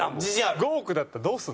５億だったらどうするの？